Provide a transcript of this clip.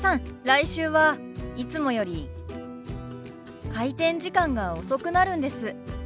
来週はいつもより開店時間が遅くなるんです。